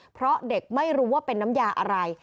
เพราะเด็กไม่รู้ว่าเป็นน้ำยาอะไร